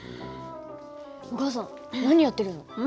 お母さん何やってるの？